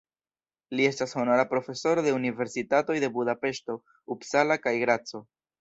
Li estas honora profesoro de universitatoj de Budapeŝto, Uppsala kaj Graco.